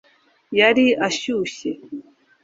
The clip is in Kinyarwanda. yari ashyushye